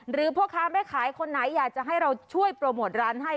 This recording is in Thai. พ่อค้าแม่ขายคนไหนอยากจะให้เราช่วยโปรโมทร้านให้